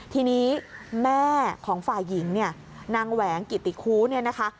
ทีนี้แม่ของฝ่ายหญิงเนี่ยนางแหวงกิติคูเนี่ยนะคะ